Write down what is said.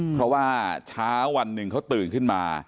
เพราะว่าเช้าวันหนึ่งเขาตื่นขึ้นมา